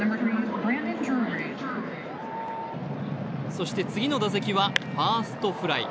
そして次の打席はファーストフライ。